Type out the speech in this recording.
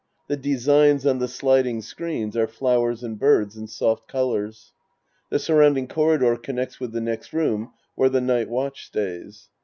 The designs on the sliding screens are flowers and birds in soft colors. The surrounding corridor connects with the next room where the night watch stays.